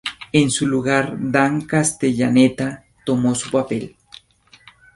En su lugar, Dan Castellaneta tomó su papel.